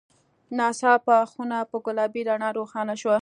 ناڅاپه خونه په ګلابي رڼا روښانه شوه.